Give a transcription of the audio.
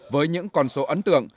với những còn số ấn tượng